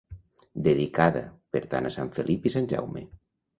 Dedicada, per tant a Sant felip i sant Jaume.